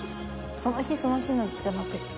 その日その日じゃなくて。